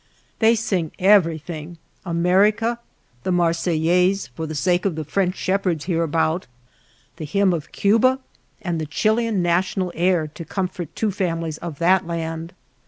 They sing everything, America, the Marseillaise, for the sake of the French shepherds hereabout, the hymn of Cuba, and the Chilian national air to comfort two families of that land.